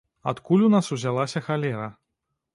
Адкуль у нас узялася халера?